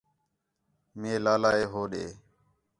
مئے لالا ہے ہو ݙے